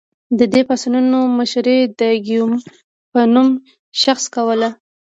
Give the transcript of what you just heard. د دې پاڅونونو مشري د ګیوم په نوم شخص کوله.